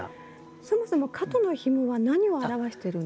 そもそも「蝌蚪の紐」は何を表してるんですか？